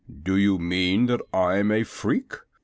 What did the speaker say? "Do you mean that I'm a freak?"